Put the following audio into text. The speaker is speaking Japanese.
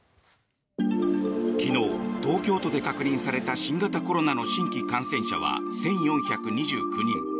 昨日、東京都で確認された新型コロナの新規感染者は１４２９人。